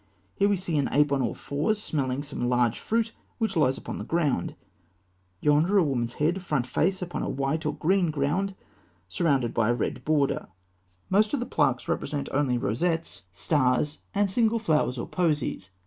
Here we see an ape on all fours, smelling some large fruit which lies upon the ground; yonder, a woman's head, front face, upon a white or green ground surrounded by a red border. Most of the plaques represent only rosettes, stars, and single flowers or posies.